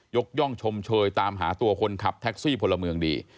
ย่องชมเชยตามหาตัวคนขับแท็กซี่พลเมืองดี